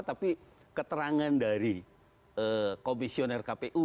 tapi keterangan dari komisioner kpu